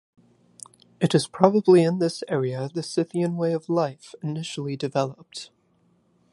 It is probably in this area the Scythian way of life initially developed.